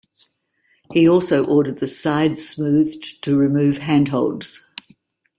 He also ordered the sides smoothed to remove handholds.